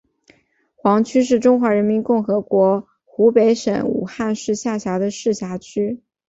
黄区是中华人民共和国湖北省武汉市下辖的市辖区。